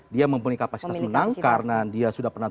dia mempunyai kapasitas menang karena dia sudah pernah